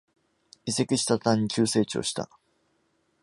移籍した途端に急成長した